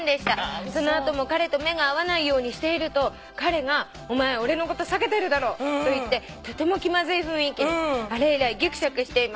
「その後も彼と目が合わないようにしていると彼が『お前俺のこと避けてるだろ』と言ってとても気まずい雰囲気であれ以来ぎくしゃくしています」